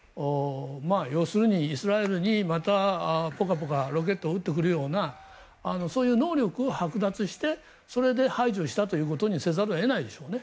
要するにイスラエルにまたポカポカロケットを撃ってくるようなそういう能力をはく奪してそれで排除したということにせざるを得ないでしょうね。